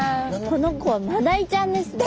この子はマダイちゃんですね。